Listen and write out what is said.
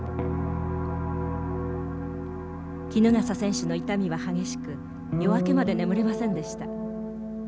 衣笠選手の痛みは激しく夜明けまで眠れませんでした。